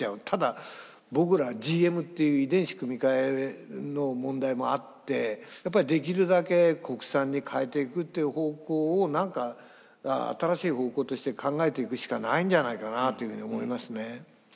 ただ僕らはＧＭっていう遺伝子組み換えの問題もあってやっぱりできるだけ国産に変えていくという方向を何か新しい方向として考えていくしかないんじゃないかなというふうに思いますね。